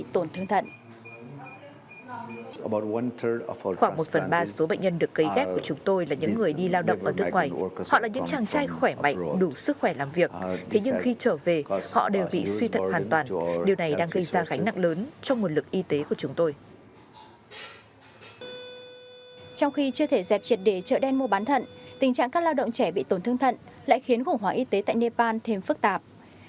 trong thời đêm mùa bán thận tình trạng các lao động trẻ bị tổn thương thân lại khiến khủng hoảng y tế tại nepal thêm phức tạp